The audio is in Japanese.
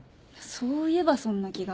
そういえばそんな気が。